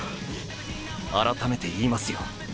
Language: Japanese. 改めて言いますよ。